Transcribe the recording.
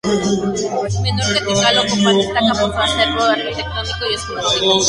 Menor que Tikal o Copán, destaca por su acervo arquitectónico y escultórico.